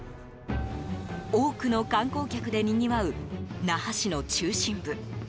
多くの観光客でにぎわう那覇市の中心部。